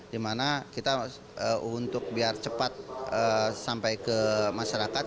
dimana kita untuk biar cepat sampai ke masyarakat